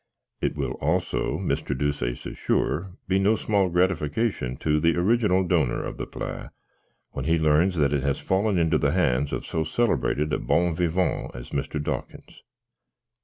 "It will, also, Mr. Deuceace is sure, be no small gratification to the original donor of the pate, when he learns that it has fallen into the hands of so celebrated a bon vivant as Mr. Dawkins.